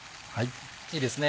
いいですね